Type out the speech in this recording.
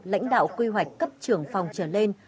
lãnh đạo quy hoạch cấp trưởng phòng trở lên